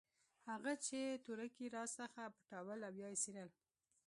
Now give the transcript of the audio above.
هغه چې تورکي راڅخه پټول او يا يې څيرل.